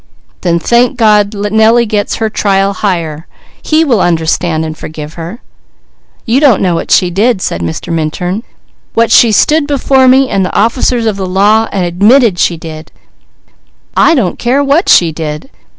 "Then thank God, Nellie gets her trial higher. He will understand, and forgive her." "You don't know what she did," said Mr. Minturn. "What she stood before me and the officers of the law, and admitted she did." "I don't care what she did!